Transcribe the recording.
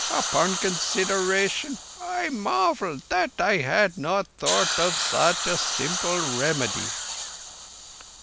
Upon consideration, I marvelled that I had not thought of such a simple remedy."